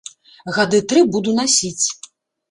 Гады тры буду насіць.